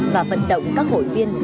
và vận động các hội viên